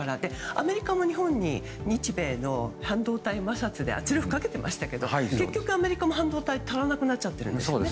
アメリカも日本に日米の半導体摩擦で圧力をかけてましたけど結局、アメリカも半導体が足らなくなってるんですよね。